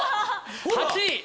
８位！